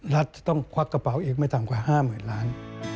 รัฐจะต้องควักกระเป๋าอีกไม่ต่ำกว่า๕๐๐๐ล้าน